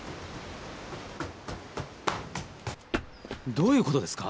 どういうことですか？